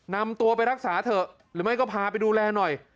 นำตัวไปรักษาเถอะหรือไม่ก็พาไปดูแลหน่อย